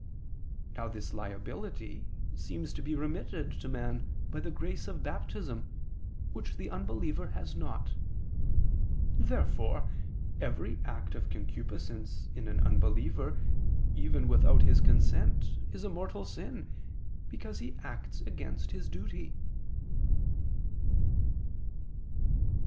Now this liability seems to be remitted to man by the grace of Baptism, which the unbeliever has not. Therefore every act of concupiscence in an unbeliever, even without his consent, is a mortal sin, because he acts against his duty.